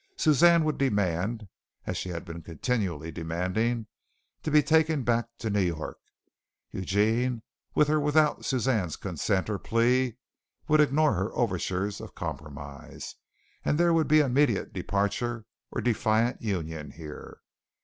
Suzanne would demand, as she had been continually demanding, to be taken back to New York. Eugene with or without Suzanne's consent or plea, would ignore her overtures of compromise and there would be immediate departure or defiant union here.